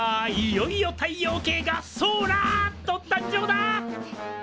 いよいよ太陽系がソーラーっと誕生だ！